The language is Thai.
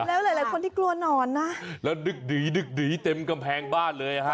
แล้วหลายหลายคนที่กลัวหนอนนะแล้วดึกดีดึกดีเต็มกำแพงบ้านเลยอ่ะฮะ